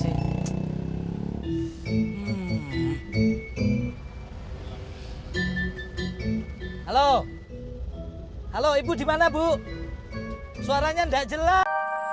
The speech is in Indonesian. halo halo ibu dimana bu suaranya ndak jelas